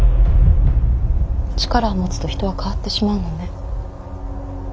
力を持つと人は変わってしまうのね。